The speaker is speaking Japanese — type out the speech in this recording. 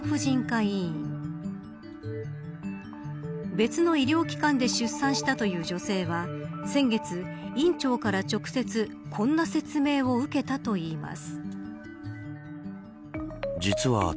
別の医療機関で出産したという女性は先月、院長から直接こんな説明を受けたといいます。